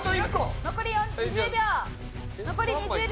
残り２０秒。